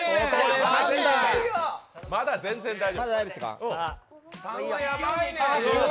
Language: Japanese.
まだ全然大丈夫。